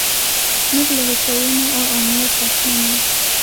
موږ له هوساینې او امنیت برخمن یو.